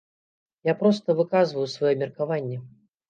Я проста выказваю сваё меркаванне.